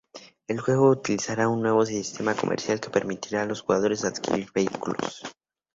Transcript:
El juego utilizará un nuevo sistema comercial que permitirá a los jugadores adquirir vehículos.